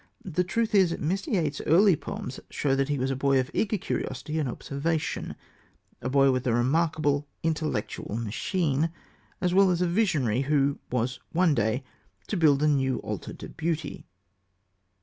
The truth is, Mr. Yeats's early poems show that he was a boy of eager curiosity and observation a boy with a remarkable intellectual machine, as well as a visionary who was one day to build a new altar to beauty.